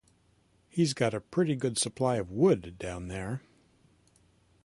He's got a pretty good supply of wood down there.